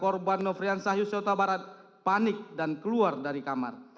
lalu putri candrawati berteriak histeris sehingga korban nofrian sahyus yota barat panik dan keluar dari kamar